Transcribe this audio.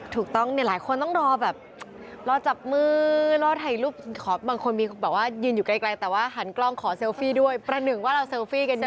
ถูกต้องเนี่ยหลายคนต้องรอแบบรอจับมือรอถ่ายรูปขอบางคนมีแบบว่ายืนอยู่ไกลแต่ว่าหันกล้องขอเซลฟี่ด้วยประหนึ่งว่าเราเลฟี่กันแ